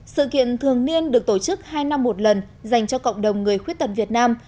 sự kiện thường niên được tổ chức hai năm một lần dành cho cộng đồng người khuyết tật việt nam